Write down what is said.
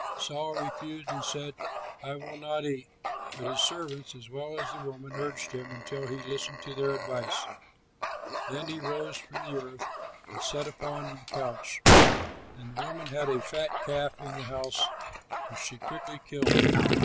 Saul refused and said, "I will not eat"; but his servants, as well as the woman, urged him, until he listened to their advice. Then he rose from the earth and sat upon the couch. And the woman had a fat calf in the house which she quickly killed.